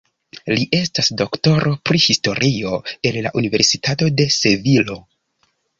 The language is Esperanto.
Li estas doktoro pri Historio el la Universitato de Sevilo.